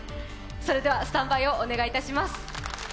それではスタンバイをお願いします。